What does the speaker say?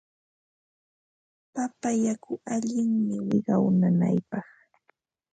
Papa yaku allinmi wiqaw nanaypaq.